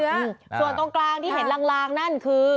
ส่วนตรงกลางที่เห็นลางนั่นคือ